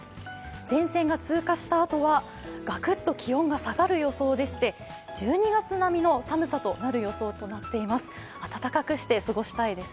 前線が通過したあとはガクッと気温が下がる予想で、１２月並みの寒さとなる見込みです。